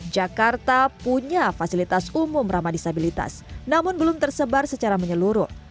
jakarta punya fasilitas umum ramah disabilitas namun belum tersebar secara menyeluruh